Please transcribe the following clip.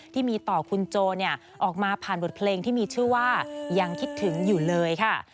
ที่มีต่อคุณโจออกมาผ่านบทเพลงที่มีชื่อว่ายังคิดถึงอยู่เลยค่ะ